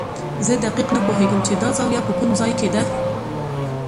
زه دقیق نه پوهېږم چې دا زاویه په کوم ځای کې ده.